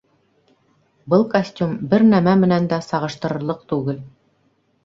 Был костюм бер нәмә менән дә сағыштырырлыҡ түгел